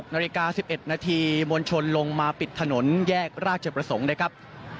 นาฬิกา๑๑นาทีมวลชนลงมาปิดถนนแยกราชประสงค์นะครับ